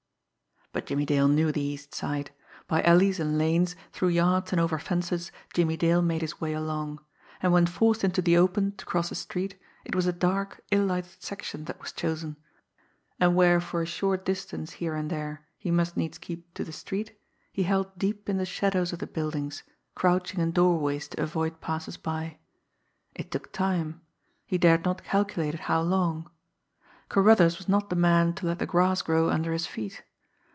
But Jimmie Dale knew the East Side. By alleys and lanes, through yards and over fences, Jimmie Dale made his way along; and when forced into the open to cross a street, it was a dark, ill lighted section that was chosen, and where for a short distance here and there he must needs keep to the street he held deep in the shadows of the buildings, crouching in doorways to avoid passers by. It took time he dared not calculate how long. Carruthers was not the man to let the grass grow under his feet!